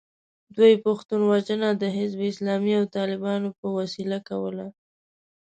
دوی پښتون وژنه د حزب اسلامي او طالبانو په وسیله کوله.